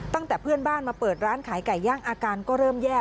ตั้งแต่เพื่อนบ้านมาเปิดร้านขายไก่ย่างอาการก็เริ่มแย่